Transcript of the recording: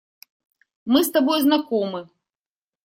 Мы с тобой знакомы.